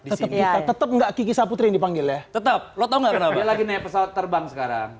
di sini tetap nggak kikisah putri dipanggil ya tetap lo tahu nggak lagi pesawat terbang sekarang